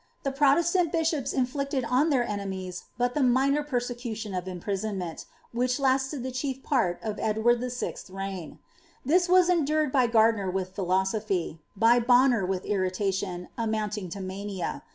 The Pfo tcsiant bishops inflicted on their enemies but the minor persecution of imprisonment, which lasted the chief part of Edward VI. 'a reign. This was endured by Gardiner with philosophy; by Bonner with irritation, amounting to mania.